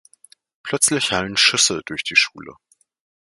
Plötzlich hallen Schüsse durch die Schule.